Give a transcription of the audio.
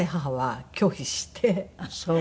あっそう。